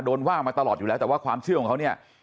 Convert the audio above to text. ว่ามาตลอดอยู่แล้วแต่ว่าความเชื่อของเขาเนี่ย